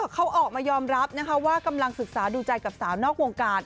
เขาออกมายอมรับว่ากำลังศึกษาดูใจกับสาวนอกวงการ